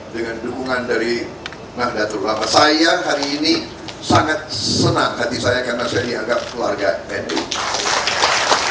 dengan dukungan dari nahdlatul ulama saya hari ini sangat senang hati saya karena saya dianggap keluarga nu